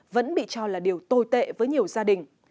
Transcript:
vẫn bị cho là điều tồi tệ với nhiều gia đình